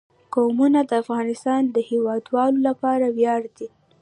قومونه د افغانستان د هیوادوالو لپاره ویاړ دی.